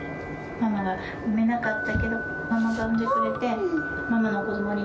ママが産めなかったけど、ママが産んでくれて、ママの子ど一応。